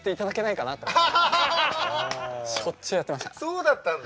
そうだったんだ。